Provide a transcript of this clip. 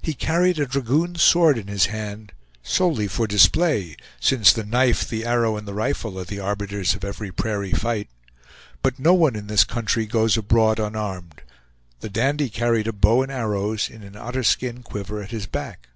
He carried a dragoon sword in his hand, solely for display, since the knife, the arrow, and the rifle are the arbiters of every prairie fight; but no one in this country goes abroad unarmed, the dandy carried a bow and arrows in an otter skin quiver at his back.